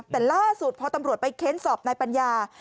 แต่ล่าสุดพอตำรวจไปเค้นสอบนายปัญญา